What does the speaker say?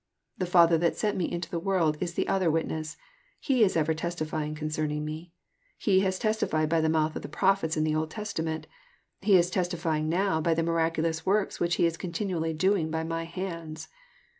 The Father that sent Me into the world is the other witness : He is ever testifying concerning Me. He has testified by the mouth of the Prophets in the Old Testament. He is testifying now by the miraculous works which He is continually doing by My hands."